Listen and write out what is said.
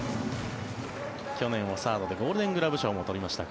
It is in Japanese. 去年、サードでゴールデングラブ賞も取りました